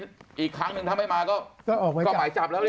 อีกครั้งหนึ่งถ้าไม่มาก็หมายจับแล้วดิ